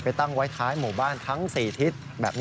ไปตั้งไว้ท้ายหมู่บ้านทั้ง๔ทิศ